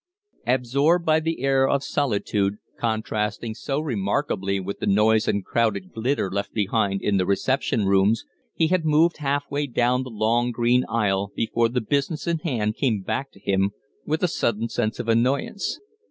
Absorbed by the air of solitude, contrasting so remarkably with the noise and crowded glitter left behind in the reception rooms, he had moved half way down the long, green aisle before the business in hand came back to him with a sudden sense of annoyance.